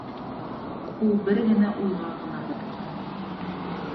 Ул бер генә уйға ғына батҡан.